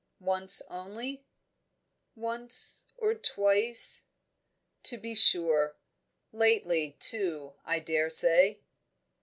"Once only?" "Once or twice " "To be sure. Lately, too, I daresay?"